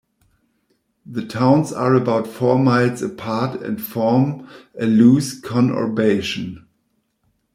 The towns are about four miles apart and form a loose conurbation.